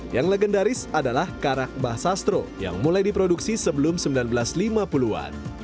yang legendaris adalah karak bah sastro yang mulai diproduksi sebelum seribu sembilan ratus lima puluh an